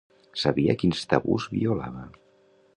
Sabia quins tabús violava.